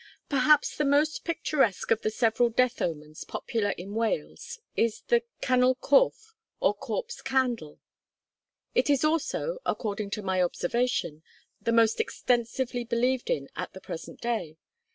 I. Perhaps the most picturesque of the several death omens popular in Wales is the Canwyll Corph, or Corpse Candle. It is also, according to my observation, the most extensively believed in at the present day.